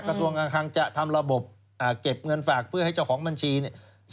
กระทรวงการคังจะทำระบบเก็บเงินฝากเพื่อให้เจ้าของบัญชีเนี่ย